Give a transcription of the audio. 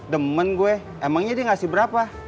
demen gue emangnya dia ngasih berapa